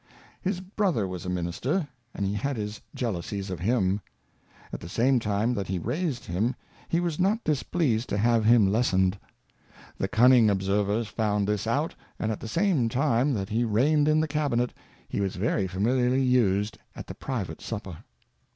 His Brother was a Minister, and he had his Jealousies of him. At the same time that he raised him, he was not dis pleased King Chakles II. 197 pleased to have him lessened. The cunning Observers found this out, and at the same time that he reigned in the Cabinet, he was very familiarly used at the private Supper.